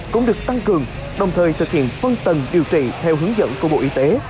cũng được tăng cường đồng thời thực hiện phân tầng điều trị theo hướng dẫn của bộ y tế